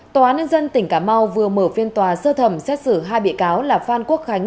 tòa án nhân dân tỉnh cà mau vừa mở phiên tòa sơ thẩm xét xử hai bị cáo là phan quốc khánh